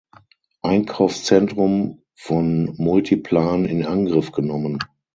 Einkaufszentrum von Multiplan in Angriff genommen.